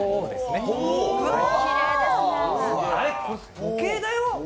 時計だよ！